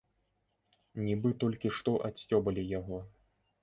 Нібы толькі што адсцёбалі яго.